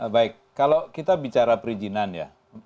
baik kalau kita bicara perizinan ya